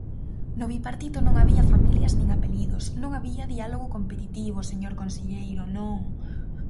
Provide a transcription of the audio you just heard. No Bipartito non había familias nin apelidos, non había diálogo competitivo, señor conselleiro, non.